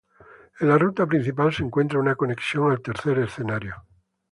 En la ruta principal se encuentra una conexión al tercer escenario.